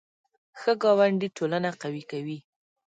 ښه ګاونډي ټولنه قوي کوي